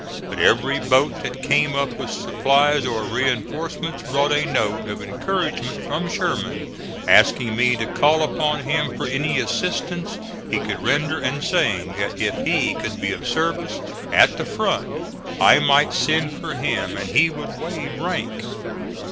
But every boat that came up with supplies or reinforcements brought a note of encouragement from Sherman, asking me to call upon him for any assistance he could render and saying that if he could be of service at the front I might send for him and he would waive rank.